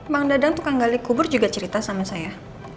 bang dadang tukang gali kubur juga cerita sama saya